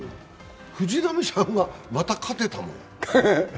藤浪さんがまた勝てたもん。